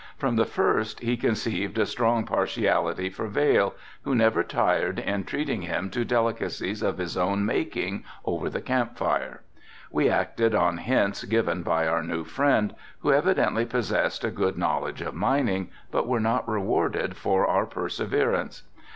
From the first he conceived a strong partiality for Vail, who never tired in treating him to delicacies of his own making over the camp fire. We acted on hints given by our new friend, who evidently possessed a good knowledge of mining, but were not rewarded for our perseverance.